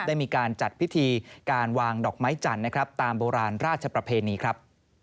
ได้มีการจัดพิธีการวางดอกไม้จันทร์นะครับตามโบราณราชประเพณีครับ